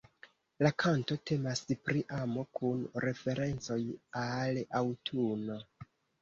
La kanto temas pri amo, kun referencoj al aŭtuno.